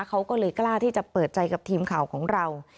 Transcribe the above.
เขาก็เลยกล้าที่จะเปิดใจกับทีมข่าวของเรา